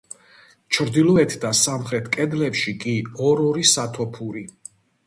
ჩრდილოეთ და სამხრეთ კედლებში კი, ორ-ორი სათოფური.